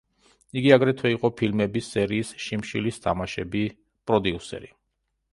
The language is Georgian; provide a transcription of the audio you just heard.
იგი აგრეთვე იყო ფილმების სერიის „შიმშილის თამაშები“ პროდიუსერი.